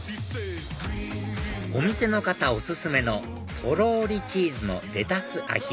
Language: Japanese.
お店の方お薦めのとろりチーズのレタスアヒージョ